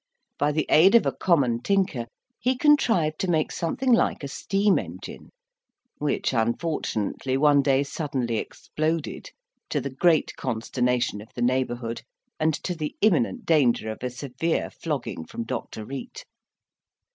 By the aid of a common tinker, he contrived to make something like a steam engine, which, unfortunately, one day suddenly exploded; to the great consternation of the neighbourhood and to the imminent danger of a severe flogging from Dr. Reate.